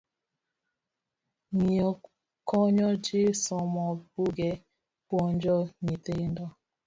Ng'iyo: konyo ji, somo buge, puonjo nyithindo.